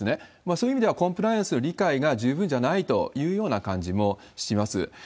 そういう意味では、コンプライアンスの理解が十分じゃないというような感じもします。